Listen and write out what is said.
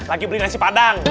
lagi beli nasi padang